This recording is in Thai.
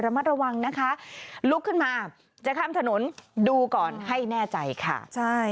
มัดระวังนะคะลุกขึ้นมาจะข้ามถนนดูก่อนให้แน่ใจค่ะใช่